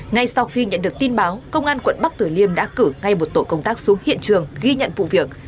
ngay sau khi nhận được tin báo công an quận bắc tử liêm đã cử ngay một tổ công tác xuống hiện trường ghi nhận vụ việc